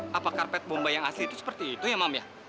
hapa karpet bomba yang asli itu seperti itu ya mam ya